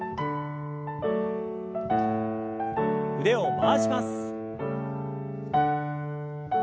腕を回します。